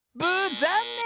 ざんねん！